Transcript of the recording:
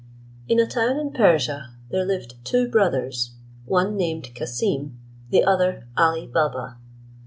In a town in Persia, there lived two brothers, one named Cassim, the other Ali Baba.